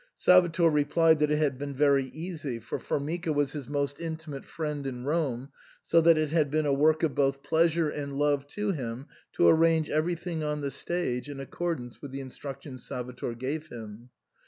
Salvator re plied that it had been very easy, for Formica was his most intimate friend in Rome, so that it had been a work of both pleasure and love to him to arrange everything on the stage in accordance with the in structions Salvator gave him.